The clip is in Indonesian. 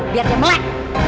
biar dia melek